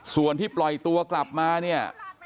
ส่วนที่ปล่อยตัวกลับมาเนี่ย